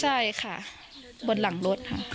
ใช่ค่ะบนหลังรถค่ะ